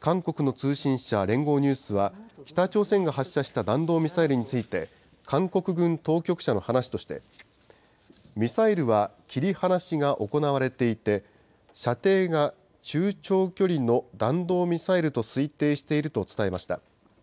韓国の通信社、連合ニュースは、北朝鮮が発射した弾道ミサイルについて、韓国軍当局者の話として、ミサイルは切り離しが行われていて、射程が中長距離の弾道ミサイルと推定していると伝えました。